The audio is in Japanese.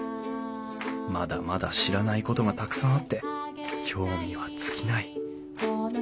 まだまだ知らないことがたくさんあって興味は尽きない。